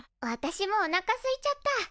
わたしもおなかすいちゃった。